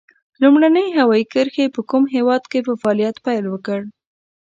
لومړنۍ هوایي کرښې په کوم هېواد کې په فعالیت پیل وکړ؟